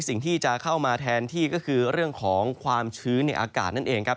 สิ่งที่จะเข้ามาแทนที่ก็คือเรื่องของความชื้นในอากาศนั่นเองครับ